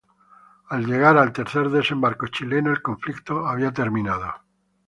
Al llegar el tercer desembarco chileno, el conflicto había terminado.